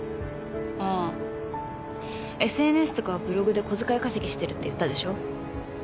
ああＳＮＳとかブログで小遣い稼ぎしてるって言ったでしょ。